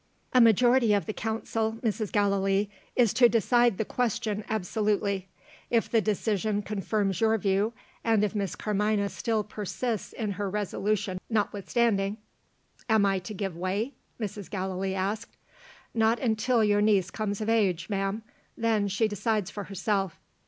"A majority of the council, Mrs. Gallilee, is to decide the question absolutely. If the decision confirms your view, and if Miss Carmina still persists in her resolution notwithstanding " "Am I to give way?" Mrs. Gallilee asked. "Not until your niece comes of age, ma'am. Then, she decides for herself."